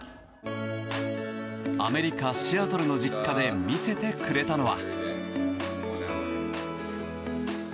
アメリカ・シアトルの実家で見せてくれたのは。